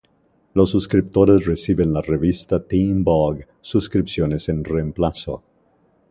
Los suscriptores reciben la revista Teen Vogue suscripciones en reemplazo.